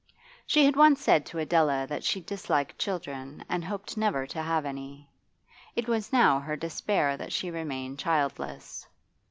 She had once said to Adela that she disliked children and hoped never to have any. It was now her despair that she remained childless.